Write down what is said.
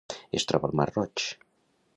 Es troba al mar Roig: